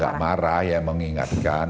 ya gak marah ya mengingatkan